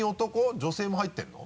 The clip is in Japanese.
女性も入ってるの？